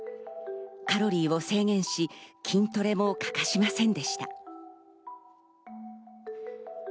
カロリーも制限し、筋トレも欠かしませんでした。